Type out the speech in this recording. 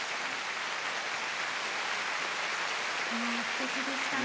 もうすてきでしたね。